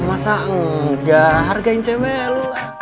masa engga hargain cbl